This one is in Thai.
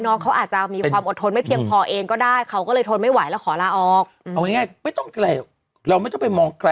น้องเขาอาจจะมีความอดทนไม่เพียงพอเองก็ได้เขาก็เลยทนไม่ไหวแล้วขอละออก